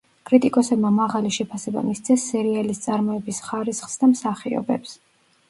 კრიტიკოსებმა მაღალი შეფასება მისცეს სერიალის წარმოების ხარისხს და მსახიობებს.